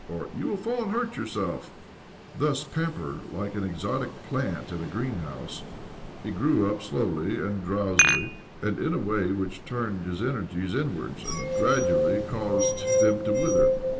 pr "You will fall and hurt yourself !" Thus, pampered like an exotic plant in a greenhouse, he grew up slowly and drowsily, and in a way which turned his energies inwards, and gradually caused them to wither.